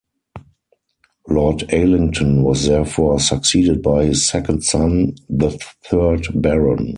Lord Alington was therefore succeeded by his second son, the third Baron.